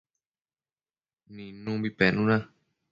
nidnumbi penuna